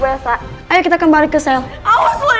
bentar saya mau berusaha ngomong